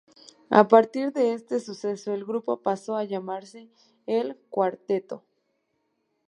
A partir de este suceso, el grupo pasó a llamarse El Cuarteto.